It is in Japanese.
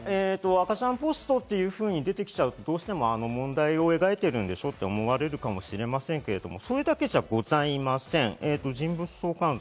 赤ちゃんポストと出てきちゃうと、どうしてもその問題を描いてるんでしょ？と思われるかもしれませんが、それだけではございません。